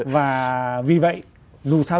và vì vậy dù sao